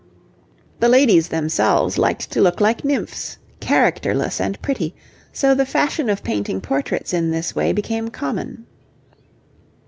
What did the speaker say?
The ladies themselves liked to look like nymphs, characterless and pretty, so the fashion of painting portraits in this way became common.